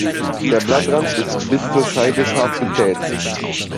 Der Blattrand ist bis zur Scheide scharf gezähnt.